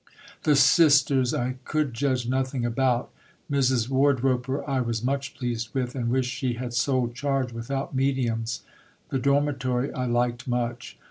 The 'sisters' I could judge nothing about. Mrs. Wardroper I was much pleased with, and wish she had sole charge without 'mediums.' The dormitory I liked much."